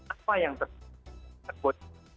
apa yang terjadi